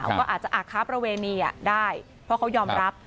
พี่สาวอาจจะอักค้าประเวณีได้เพราะเขายอมรับ